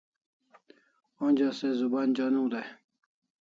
Onja se zuban joniu dai